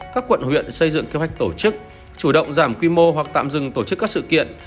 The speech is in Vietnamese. các quận huyện xây dựng kế hoạch tổ chức chủ động giảm quy mô hoặc tạm dừng tổ chức các sự kiện